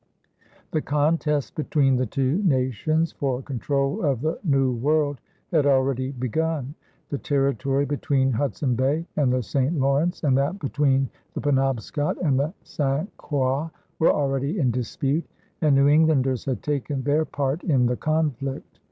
The contest between the two nations for control of the New World had already begun. The territory between Hudson Bay and the St. Lawrence and that between the Penobscot and the St. Croix were already in dispute, and New Englanders had taken their part in the conflict.